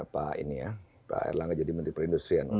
pak erlangga jadi menteri perindustrian